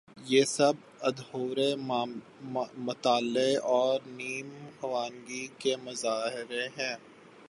یہ سب ادھورے مطالعے اور نیم خوانگی کے مظاہر ہیں۔